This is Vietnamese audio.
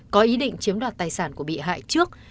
có ý định chiếm đoạt tài sản của bị hại trước